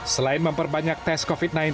selain memperbanyak tes covid sembilan belas